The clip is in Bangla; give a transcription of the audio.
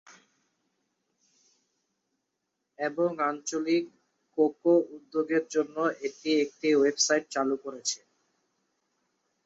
এবং আঞ্চলিক কোকো উদ্যোগের জন্য এটি একটি ওয়েবসাইট চালু করেছে।